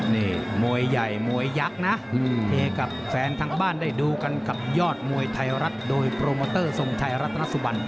นี่มวยใหญ่มวยยักษ์นะเทกับแฟนทางบ้านได้ดูกันกับยอดมวยไทยรัฐโดยโปรโมเตอร์ทรงชัยรัตนสุบัน